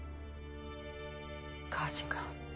火事があった。